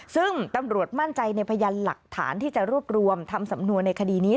ซึ่งตำรวจมั่นใจในพยานหลักฐานที่จะรวบรวมทำสำนวนในคดีนี้